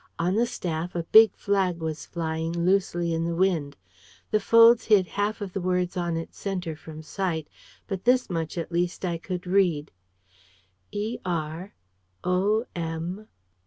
On the staff a big flag was flying loosely in the wind. The folds hid half of the words on its centre from sight. But this much at least I could read: "ER...OM..